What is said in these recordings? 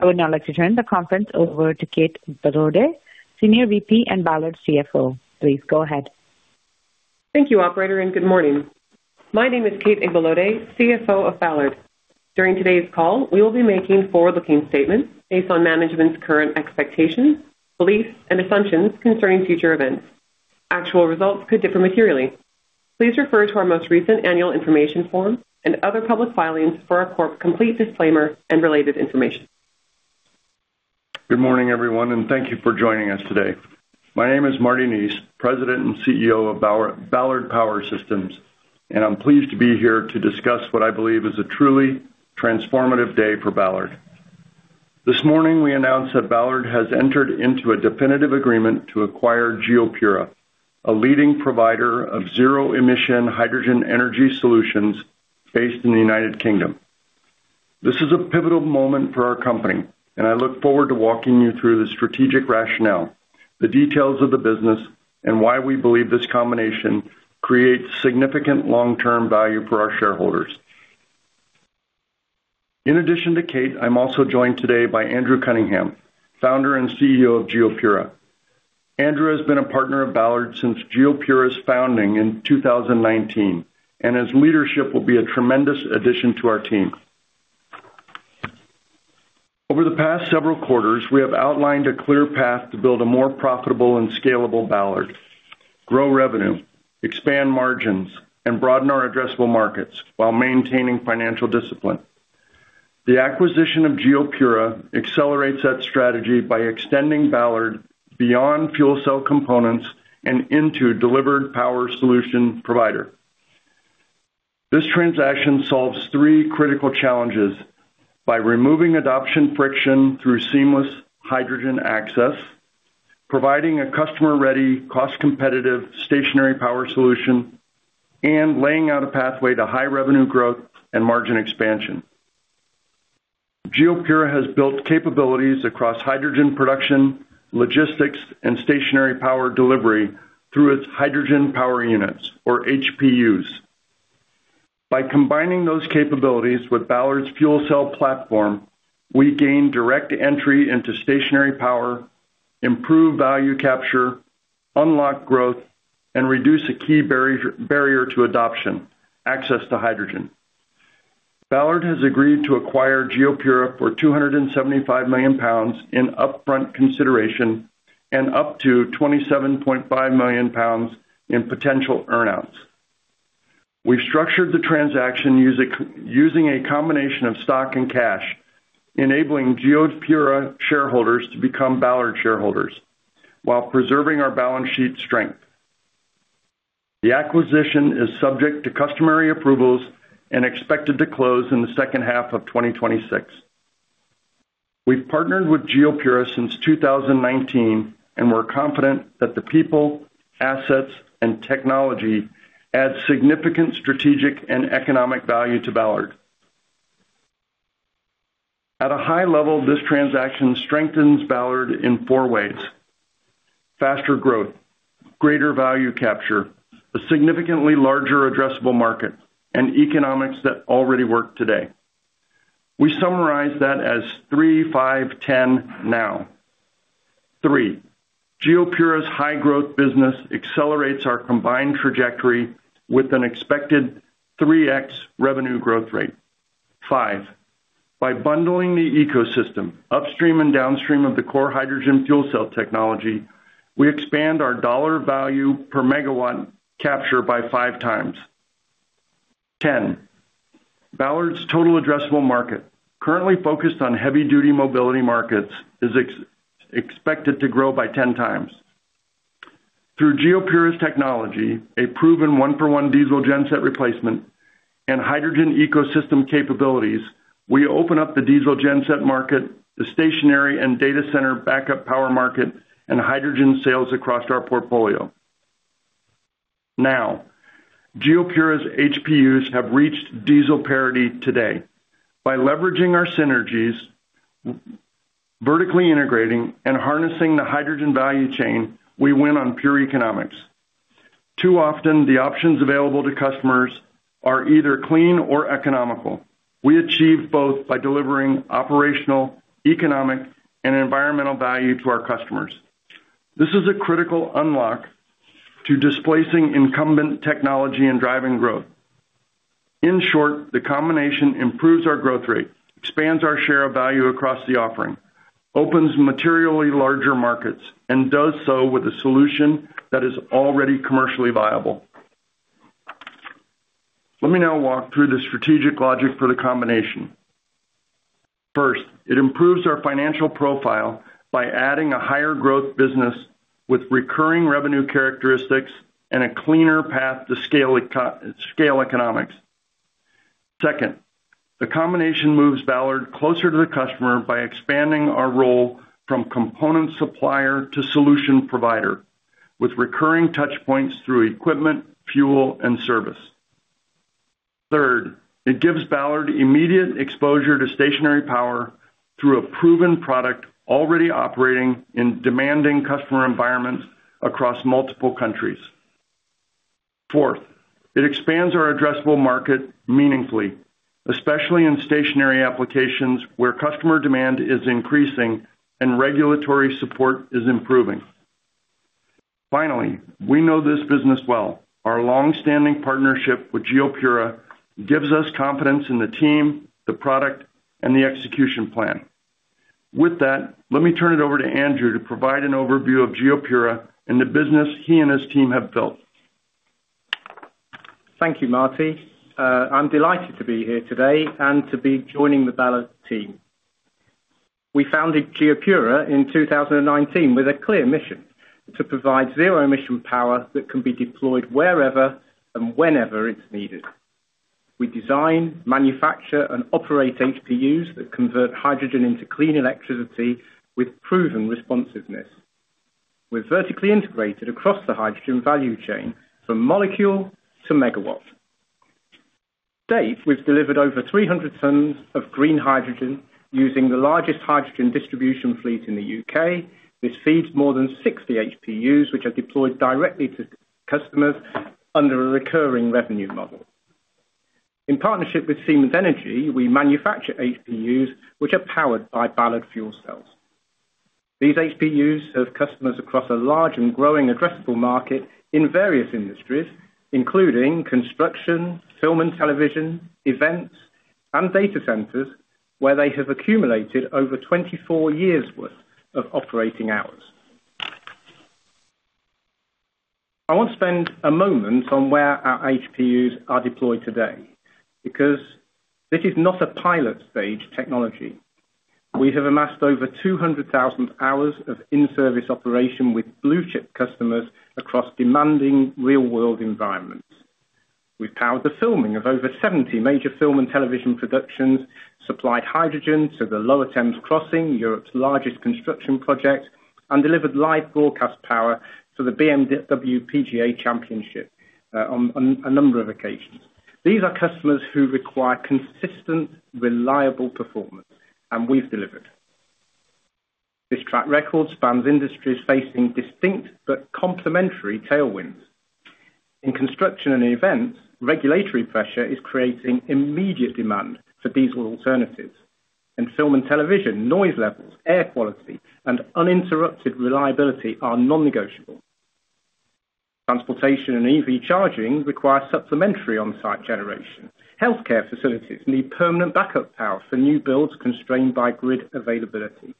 I would now like to turn the conference over to Kate Igbalode, Senior VP and Ballard's CFO. Please go ahead. Thank you, operator, and good morning. My name is Kate Igbalode, CFO of Ballard. During today's call, we will be making forward-looking statements based on management's current expectations, beliefs, and assumptions concerning future events. Actual results could differ materially. Please refer to our most recent annual information form and other public filings for our complete disclaimer and related information. Good morning, everyone, and thank you for joining us today. My name is Marty Neese, President and CEO of Ballard Power Systems, and I'm pleased to be here to discuss what I believe is a truly transformative day for Ballard. This morning, we announced that Ballard has entered into a definitive agreement to acquire GeoPura, a leading provider of zero-emission hydrogen energy solutions based in the United Kingdom. This is a pivotal moment for our company, and I look forward to walking you through the strategic rationale, the details of the business, and why we believe this combination creates significant long-term value for our shareholders. In addition to Kate, I'm also joined today by Andrew Cunningham, founder and CEO of GeoPura. Andrew has been a partner of Ballard since GeoPura's founding in 2019, and his leadership will be a tremendous addition to our team. Over the past several quarters, we have outlined a clear path to build a more profitable and scalable Ballard, grow revenue, expand margins, and broaden our addressable markets while maintaining financial discipline. The acquisition of GeoPura accelerates that strategy by extending Ballard beyond fuel cell components and into delivered power solution provider. This transaction solves three critical challenges by removing adoption friction through seamless hydrogen access, providing a customer-ready, cost-competitive, stationary power solution, and laying out a pathway to high revenue growth and margin expansion. GeoPura has built capabilities across hydrogen production, logistics, and stationary power delivery through its hydrogen power units, or HPUs. By combining those capabilities with Ballard's fuel cell platform, we gain direct entry into stationary power, improve value capture, unlock growth, and reduce a key barrier to adoption, access to hydrogen. Ballard has agreed to acquire GeoPura for 275 million pounds in upfront consideration and up to 27.5 million pounds in potential earn-outs. We've structured the transaction using a combination of stock and cash, enabling GeoPura shareholders to become Ballard shareholders while preserving our balance sheet strength. The acquisition is subject to customary approvals and expected to close in the second half of 2026. We've partnered with GeoPura since 2019, and we're confident that the people, assets, and technology add significant strategic and economic value to Ballard. At a high level, this transaction strengthens Ballard in four ways: faster growth, greater value capture, a significantly larger addressable market, and economics that already work today. We summarize that as three, five, 10 now. Three, GeoPura's high growth business accelerates our combined trajectory with an expected 3x revenue growth rate. Five, by bundling the ecosystem upstream and downstream of the core hydrogen fuel cell technology, we expand our dollar value per megawatt capture by five times. 10, Ballard's total addressable market, currently focused on heavy-duty mobility markets, is expected to grow by 10 times. Through GeoPura's technology, a proven one-for-one diesel genset replacement, and hydrogen ecosystem capabilities, we open up the diesel genset market, the stationary and data center backup power market, and hydrogen sales across our portfolio. GeoPura's HPUs have reached diesel parity today. By leveraging our synergies, vertically integrating, and harnessing the hydrogen value chain, we win on pure economics. Too often, the options available to customers are either clean or economical. We achieve both by delivering operational, economic, and environmental value to our customers. This is a critical unlock to displacing incumbent technology and driving growth. In short, the combination improves our growth rate, expands our share of value across the offering, opens materially larger markets, and does so with a solution that is already commercially viable. Let me now walk through the strategic logic for the combination. First, it improves our financial profile by adding a higher growth business with recurring revenue characteristics and a cleaner path to scale economics. Second, the combination moves Ballard closer to the customer by expanding our role from component supplier to solution provider with recurring touch points through equipment, fuel, and service. Third, it gives Ballard immediate exposure to stationary power through a proven product already operating in demanding customer environments across multiple countries. Fourth, it expands our addressable market meaningfully, especially in stationary applications where customer demand is increasing and regulatory support is improving. Finally, we know this business well. Our long-standing partnership with GeoPura gives us confidence in the team, the product, and the execution plan. With that, let me turn it over to Andrew to provide an overview of GeoPura and the business he and his team have built. Thank you, Marty. I am delighted to be here today and to be joining the Ballard team. We founded GeoPura in 2019 with a clear mission: to provide zero emission power that can be deployed wherever and whenever it is needed. We design, manufacture, and operate HPUs that convert hydrogen into clean electricity with proven responsiveness. We are vertically integrated across the hydrogen value chain, from molecule to megawatt. To date, we have delivered over 300 tons of green hydrogen using the largest hydrogen distribution fleet in the U.K., which feeds more than 60 HPUs, which are deployed directly to customers under a recurring revenue model. In partnership with Siemens Energy, we manufacture HPUs, which are powered by Ballard fuel cells. These HPUs have customers across a large and growing addressable market in various industries, including construction, film and television, events, and data centers, where they have accumulated over 24 years' worth of operating hours. I want to spend a moment on where our HPUs are deployed today, because this is not a pilot stage technology. We have amassed over 200,000 hours of in-service operation with blue chip customers across demanding real world environments. We have powered the filming of over 70 major film and television productions, supplied hydrogen to the Lower Thames Crossing, Europe's largest construction project, and delivered live broadcast power to the BMW PGA Championship, on a number of occasions. These are customers who require consistent, reliable performance, and we have delivered. This track record spans industries facing distinct but complementary tailwinds. In construction and events, regulatory pressure is creating immediate demand for diesel alternatives. In film and television, noise levels, air quality, and uninterrupted reliability are non-negotiable. Transportation and EV charging require supplementary on-site generation. Healthcare facilities need permanent backup power for new builds constrained by grid availability.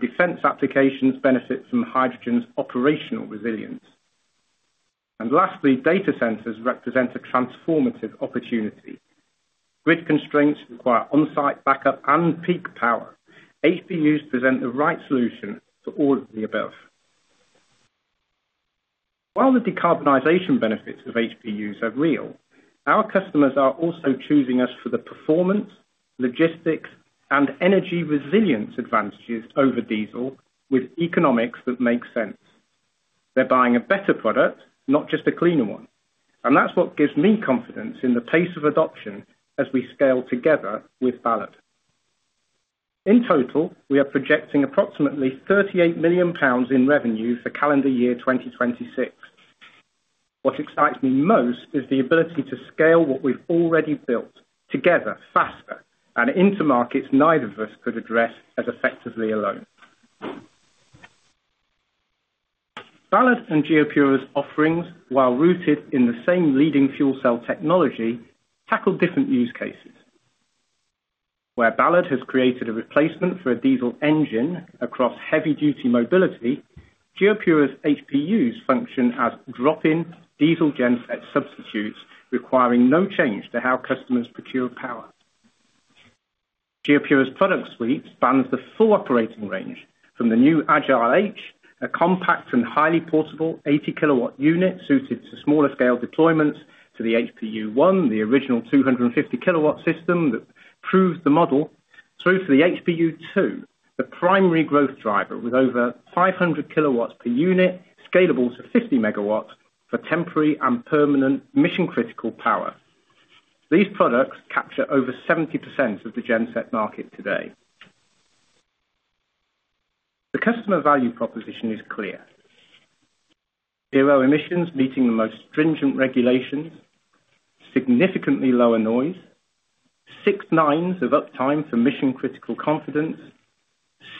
Defense applications benefit from hydrogen's operational resilience. Lastly, data centers represent a transformative opportunity. Grid constraints require on-site backup and peak power. HPUs present the right solution for all of the above. While the decarbonization benefits of HPUs are real, our customers are also choosing us for the performance, logistics, and energy resilience advantages over diesel with economics that make sense. They are buying a better product, not just a cleaner one. That is what gives me confidence in the pace of adoption as we scale together with Ballard. In total, we are projecting approximately £38 million in revenue for calendar year 2026. What excites me most is the ability to scale what we have already built together faster and into markets neither of us could address as effectively alone. Ballard and GeoPura's offerings, while rooted in the same leading fuel cell technology, tackle different use cases. Where Ballard has created a replacement for a diesel engine across heavy duty mobility, GeoPura's HPUs function as drop-in diesel genset substitutes requiring no change to how customers procure power. GeoPura's product suite spans the full operating range from the new Agile H, a compact and highly portable 80-kW unit suited to smaller scale deployments, to the HPU, the original 250-kW system that proves the model, through to the HPU2, the primary growth driver with over 500 kW per unit, scalable to 50 MW for temporary and permanent mission-critical power. These products capture over 70% of the genset market today. The customer value proposition is clear. Zero emissions meeting the most stringent regulations, significantly lower noise, six nines of uptime for mission-critical confidence,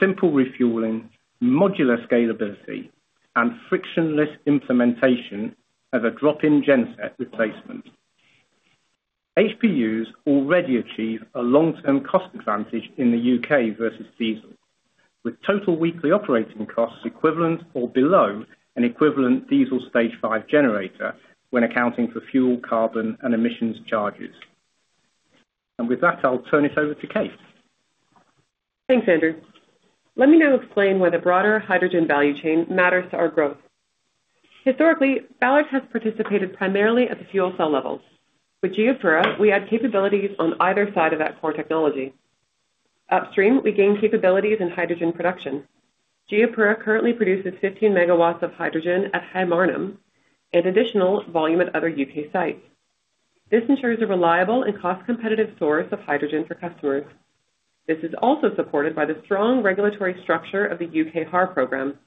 simple refueling, modular scalability, and frictionless implementation as a drop-in genset replacement. HPUs already achieve a long-term cost advantage in the U.K. versus diesel, with total weekly operating costs equivalent or below an equivalent diesel Stage V generator when accounting for fuel, carbon, and emissions charges. With that, I'll turn it over to Kate. Thanks, Andrew. Let me now explain why the broader hydrogen value chain matters to our growth. Historically, Ballard has participated primarily at the fuel cell levels. With GeoPura, we add capabilities on either side of that core technology. Upstream, we gain capabilities in hydrogen production. GeoPura currently produces 15 MW of hydrogen at High Marnham and additional volume at other U.K. sites. This ensures a reliable and cost-competitive source of hydrogen for customers. This is also supported by the strong regulatory structure of the U.K. HAR program.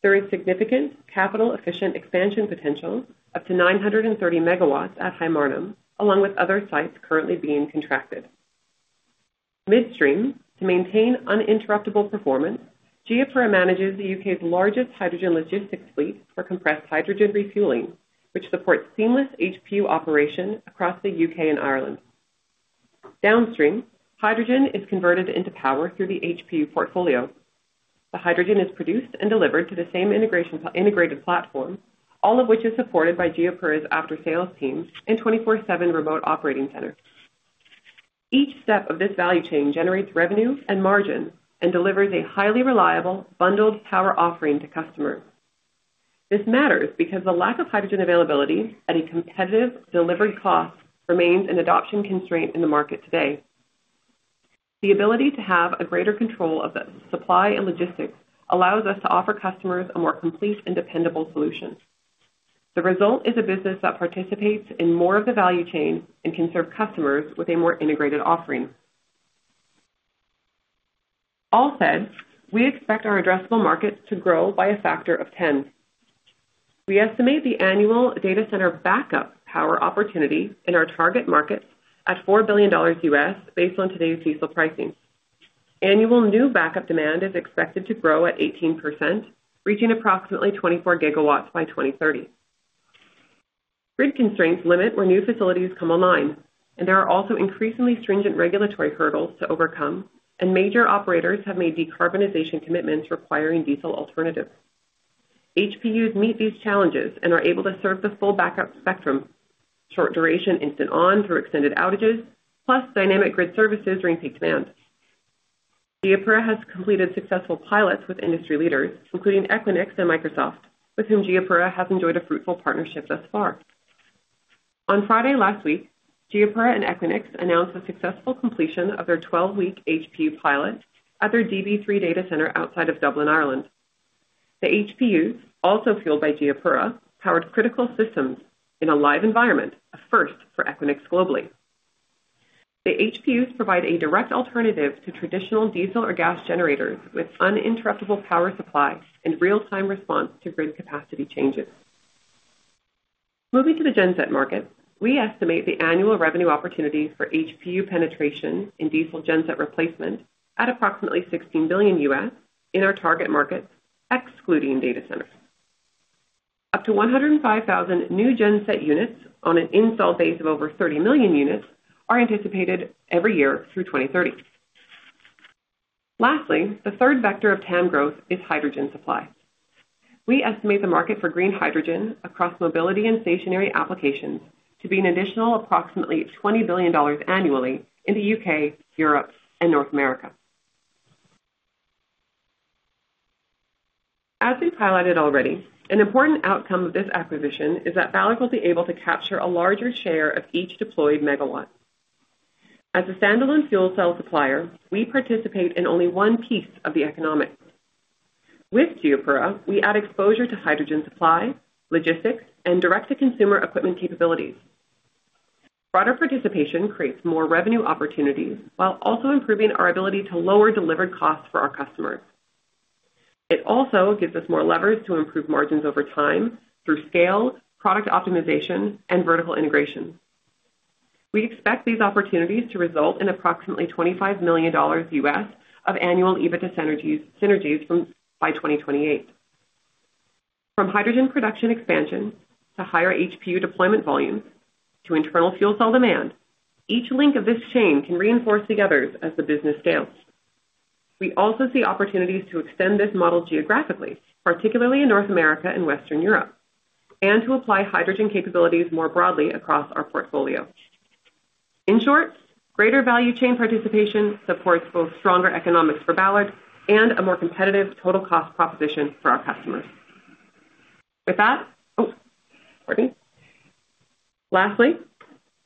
There is significant capital-efficient expansion potential up to 930 MW at High Marnham, along with other sites currently being contracted. Midstream, to maintain uninterruptible performance, GeoPura manages the U.K.'s largest hydrogen logistics fleet for compressed hydrogen refueling, which supports seamless HPU operation across the U.K. and Ireland. Downstream, hydrogen is converted into power through the HPU portfolio. The hydrogen is produced and delivered to the same integrated platform, all of which is supported by GeoPura's after-sales teams and 24/7 remote operating center. Each step of this value chain generates revenue and margin and delivers a highly reliable bundled power offering to customers. This matters because the lack of hydrogen availability at a competitive delivery cost remains an adoption constraint in the market today. The ability to have a greater control of the supply and logistics allows us to offer customers a more complete and dependable solution. The result is a business that participates in more of the value chain and can serve customers with a more integrated offering. All said, we expect our addressable market to grow by a factor of 10. We estimate the annual data center backup power opportunity in our target market at $4 billion U.S., based on today's diesel pricing. Annual new backup demand is expected to grow at 18%, reaching approximately 24 GW by 2030. Grid constraints limit when new facilities come online, and there are also increasingly stringent regulatory hurdles to overcome, and major operators have made decarbonization commitments requiring diesel alternatives. HPUs meet these challenges and are able to serve the full backup spectrum, short duration instant-on through extended outages, plus dynamic grid services during peak demand. GeoPura has completed successful pilots with industry leaders, including Equinix and Microsoft, with whom GeoPura has enjoyed a fruitful partnership thus far. On Friday last week, GeoPura and Equinix announced the successful completion of their 12-week HPU pilot at their DB3 data center outside of Dublin, Ireland. The HPUs, also fueled by GeoPura, powered critical systems in a live environment, a first for Equinix globally. The HPUs provide a direct alternative to traditional diesel or gas generators, with uninterruptible power supply and real-time response to grid capacity changes. Moving to the genset market, we estimate the annual revenue opportunity for HPU penetration in diesel genset replacement at approximately $16 billion U.S. in our target market, excluding data centers. Up to 105,000 new genset units on an install base of over 30 million units are anticipated every year through 2030. Lastly, the third vector of TAM growth is hydrogen supply. We estimate the market for green hydrogen across mobility and stationary applications to be an additional approximately 20 billion dollars annually in the U.K., Europe, and North America. As we've highlighted already, an important outcome of this acquisition is that Ballard will be able to capture a larger share of each deployed megawatt. As a standalone fuel cell supplier, we participate in only one piece of the economics. With GeoPura, we add exposure to hydrogen supply, logistics, and direct-to-consumer equipment capabilities. Broader participation creates more revenue opportunities while also improving our ability to lower delivered costs for our customers. It also gives us more leverage to improve margins over time through scale, product optimization, and vertical integration. We expect these opportunities to result in approximately $25 million U.S. of annual EBITDA synergies by 2028. From hydrogen production expansion to higher HPU deployment volumes to internal fuel cell demand, each link of this chain can reinforce the others as the business scales. We also see opportunities to extend this model geographically, particularly in North America and Western Europe, and to apply hydrogen capabilities more broadly across our portfolio. In short, greater value chain participation supports both stronger economics for Ballard and a more competitive total cost proposition for our customers. With that, pardon me. Lastly,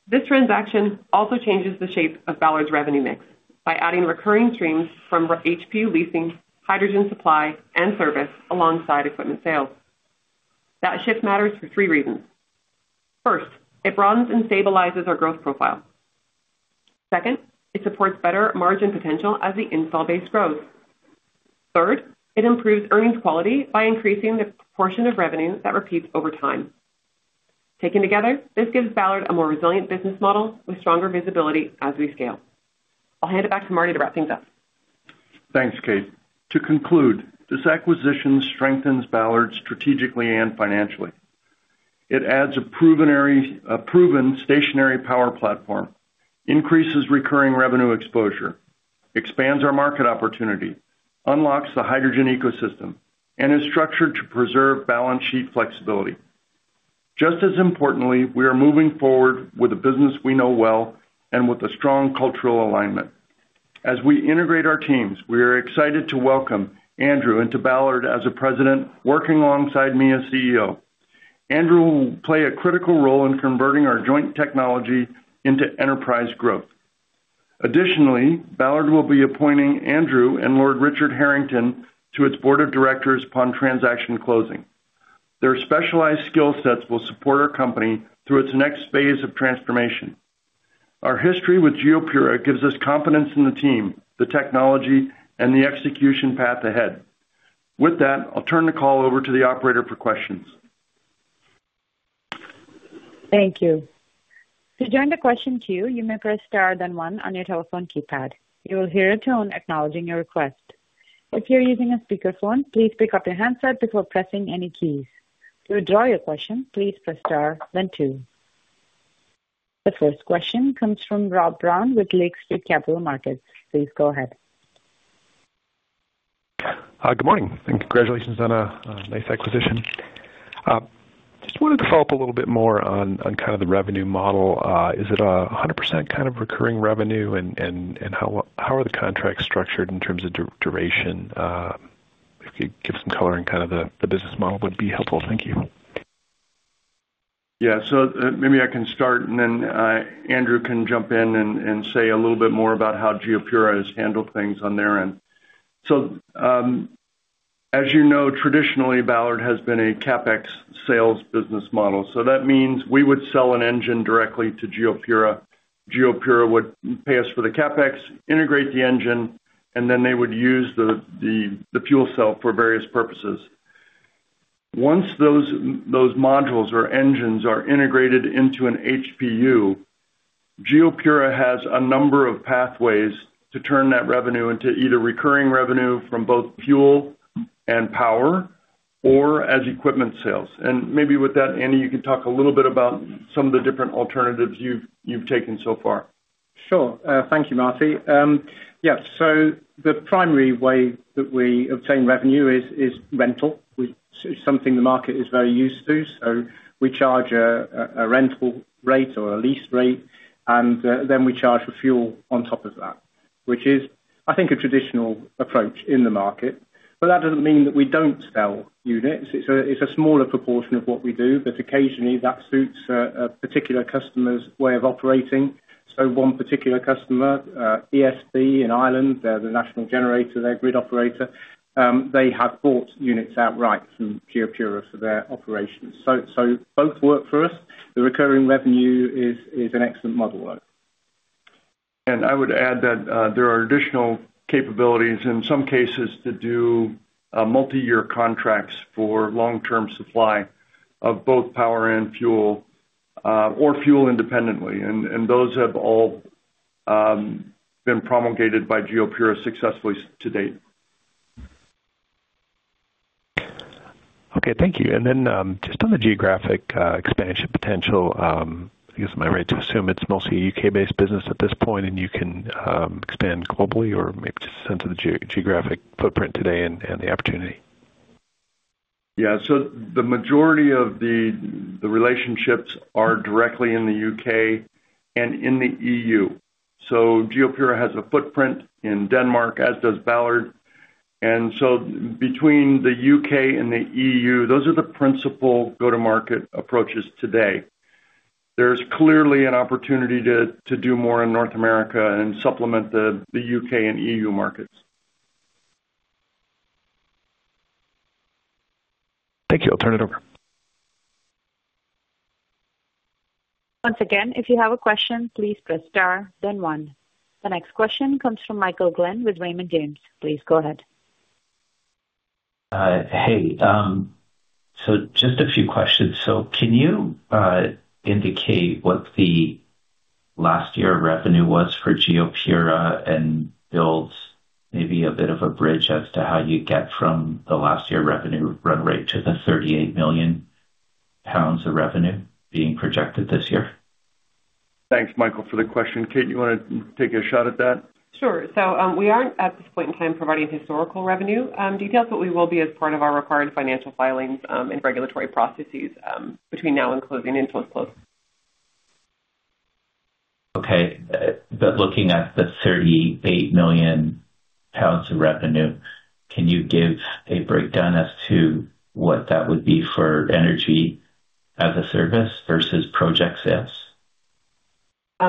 this transaction also changes the shape of Ballard's revenue mix by adding recurring streams from HPU leasing, hydrogen supply, and service alongside equipment sales. That shift matters for three reasons. First, it broadens and stabilizes our growth profile. Second, it supports better margin potential as the install base grows. Third, it improves earnings quality by increasing the proportion of revenue that repeats over time. Taken together, this gives Ballard a more resilient business model with stronger visibility as we scale. I'll hand it back to Marty to wrap things up. Thanks, Kate. To conclude, this acquisition strengthens Ballard strategically and financially. It adds a proven stationary power platform, increases recurring revenue exposure, expands our market opportunity, unlocks the hydrogen ecosystem, and is structured to preserve balance sheet flexibility. Just as importantly, we are moving forward with a business we know well and with a strong cultural alignment. As we integrate our teams, we are excited to welcome Andrew into Ballard as a President, working alongside me as CEO. Andrew will play a critical role in converting our joint technology into enterprise growth. Additionally, Ballard will be appointing Andrew and Lord Richard Harrington to its board of directors upon transaction closing. Their specialized skill sets will support our company through its next phase of transformation. Our history with GeoPura gives us confidence in the team, the technology, and the execution path ahead. With that, I'll turn the call over to the operator for questions. Thank you. To join the question queue, you may press star, then one on your telephone keypad. You will hear a tone acknowledging your request. If you're using a speakerphone, please pick up your handset before pressing any keys. To withdraw your question, please press star then two. The first question comes from Rob Brown with Lake Street Capital Markets. Please go ahead. Good morning. Congratulations on a nice acquisition. Just wanted to follow up a little bit more on kind of the revenue model. Is it 100% kind of recurring revenue and how are the contracts structured in terms of duration? If you could give some color in kind of the business model would be helpful. Thank you. Yeah. Maybe I can start and then Andrew can jump in and say a little bit more about how GeoPura has handled things on their end. As you know, traditionally, Ballard has been a CapEx sales business model. That means we would sell an engine directly to GeoPura. GeoPura would pay us for the CapEx, integrate the engine, and then they would use the fuel cell for various purposes. Once those modules or engines are integrated into an HPU, GeoPura has a number of pathways to turn that revenue into either recurring revenue from both fuel and power or as equipment sales. Maybe with that, Andy, you can talk a little bit about some of the different alternatives you've taken so far. Sure. Thank you, Marty. The primary way that we obtain revenue is rental, which is something the market is very used to. We charge a rental rate or a lease rate, and then we charge for fuel on top of that, which is, I think, a traditional approach in the market. That doesn't mean that we don't sell units. It's a smaller proportion of what we do, but occasionally that suits a particular customer's way of operating. One particular customer, ESB in Ireland, they're the national generator, they're grid operator, they have bought units outright from GeoPura for their operations. Both work for us. The recurring revenue is an excellent model though. I would add that there are additional capabilities, in some cases, to do multiyear contracts for long-term supply of both power and fuel, or fuel independently. Those have all been promulgated by GeoPura successfully to date. Okay. Thank you. Then, just on the geographic expansion potential, I guess am I right to assume it's mostly a U.K. based business at this point and you can expand globally or maybe just a sense of the geographic footprint today and the opportunity? Yeah. The majority of the relationships are directly in the U.K. and in the EU. GeoPura has a footprint in Denmark, as does Ballard. Between the U.K. and the EU, those are the principal go-to-market approaches today. There's clearly an opportunity to do more in North America and supplement the U.K. and EU markets. Thank you. I'll turn it over. Once again, if you have a question, please press star then one. The next question comes from Michael Glen with Raymond James. Please go ahead. Hey. Just a few questions. Can you indicate what the last year revenue was for GeoPura and build maybe a bit of a bridge as to how you get from the last year revenue run rate to the 38 million pounds of revenue being projected this year? Thanks, Michael, for the question. Kate, you want to take a shot at that? Sure. We aren't at this point in time providing historical revenue details, but we will be as part of our required financial filings, and regulatory processes between now and closing until it's closed. Okay. Looking at the 38 million pounds of revenue, can you give a breakdown as to what that would be for Energy-as-a-Service versus project sales?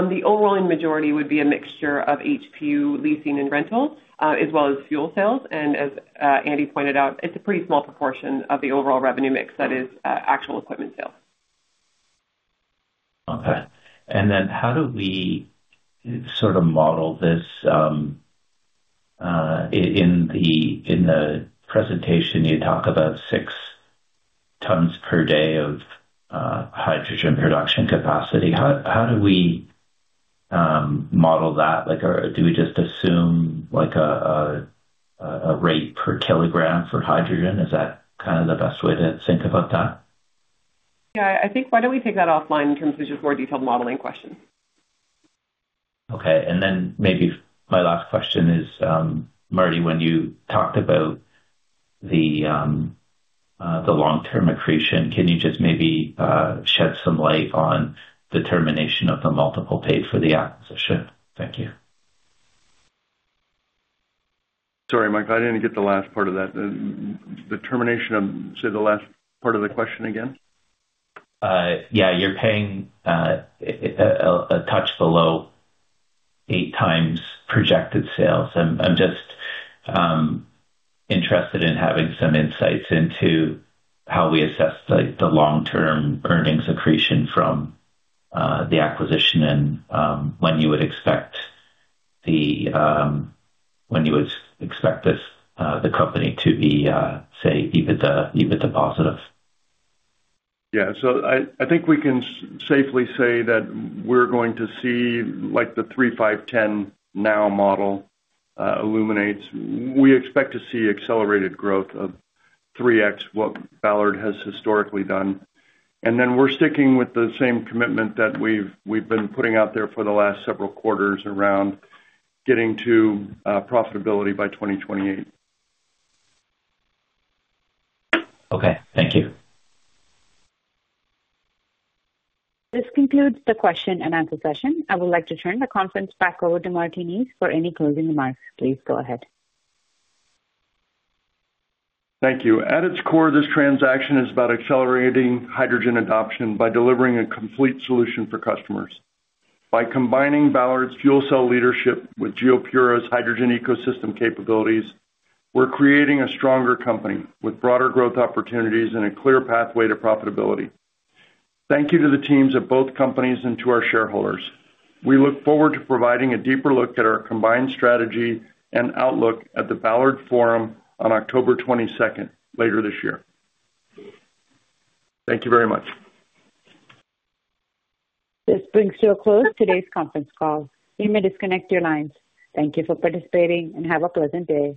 The overwhelming majority would be a mixture of HPU leasing and rental, as well as fuel sales. As Andy pointed out, it's a pretty small proportion of the overall revenue mix that is actual equipment sales. Okay. How do we sort of model this? In the presentation, you talk about six tons per day of hydrogen production capacity. How do we model that? Do we just assume a rate per kilogram for hydrogen? Is that kind of the best way to think about that? Yeah, I think why don't we take that offline in terms of just more detailed modeling questions. Okay. Then maybe my last question is, Marty, when you talked about the long-term accretion, can you just maybe shed some light on the determination of the multiple paid for the acquisition? Thank you. Sorry, Michael, I didn't get the last part of that. Say the last part of the question again. Yeah. You're paying a touch below 8x projected sales. I'm just interested in having some insights into how we assess the long-term earnings accretion from the acquisition and when you would expect the company to be, say, EBITDA positive. Yeah. I think we can safely say that we're going to see like the three, five, 10 now model illuminates. We expect to see accelerated growth of 3x what Ballard has historically done, and then we're sticking with the same commitment that we've been putting out there for the last several quarters around getting to profitability by 2028. Okay. Thank you. This concludes the question and answer session. I would like to turn the conference back over to Marty Neese for any closing remarks. Please go ahead. Thank you. At its core, this transaction is about accelerating hydrogen adoption by delivering a complete solution for customers. By combining Ballard's fuel cell leadership with GeoPura's hydrogen ecosystem capabilities, we're creating a stronger company with broader growth opportunities and a clear pathway to profitability. Thank you to the teams of both companies and to our shareholders. We look forward to providing a deeper look at our combined strategy and outlook at the Ballard Forum on October 22nd, later this year. Thank you very much. This brings to a close today's conference call. You may disconnect your lines. Thank you for participating, and have a pleasant day